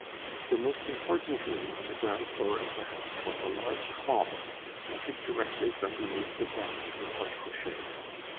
The most important room on the ground floor of the house was a large hall, entered directly from beneath the vault of the porte cochere.